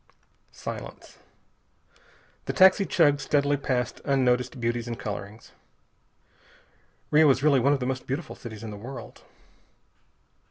Silence. The taxi chugged steadily past unnoticed beauties and colorings. Rio is really one of the most beautiful cities in the world.